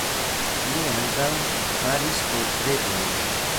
Li ankaŭ faris portretojn.